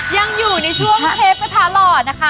ยังอยู่ในช่วงเชฟกระทะหล่อนะคะ